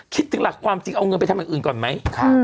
คิดถึงหลักความจริงเอาเงินไปทำอย่างอื่นก่อนไหม